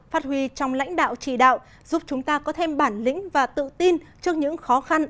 phát huy trong lãnh đạo trì đạo giúp chúng ta có thêm bản lĩnh và tự tin trước những khó khăn